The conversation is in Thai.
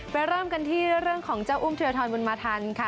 เริ่มกันที่เรื่องของเจ้าอุ้มเทียทรบุญมาทันค่ะ